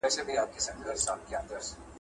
په آشنا ژبه ږغونه را رسېږي